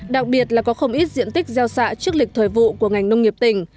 đặc biệt là có không ít diện tích gieo xạ trước lịch thời vụ của ngành nông nghiệp tỉnh